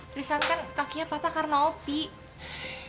tristan kan kakinya patah karena opi